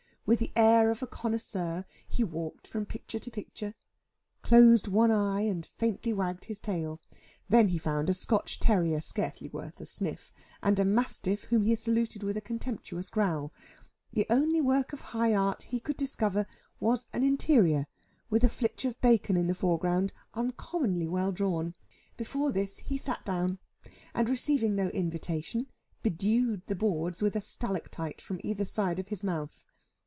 With the air of a connoisseur he walked from picture to picture, closed one eye, and faintly wagged his tail. Then he found a Scotch terrier scarcely worth a sniff, and a mastiff whom he saluted with a contemptuous growl. The only work of high art he could discover was an interior, with a flitch of bacon in the foreground uncommonly well drawn. Before this he sat down, and receiving no invitation, bedewed the boards with a stalactite from either side of his mouth.